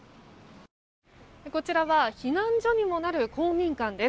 こちらは避難所にもなる公民館です。